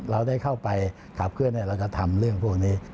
เราได้เข้าไปขับเคลื่อนเราก็ทำเรื่องพวกนี้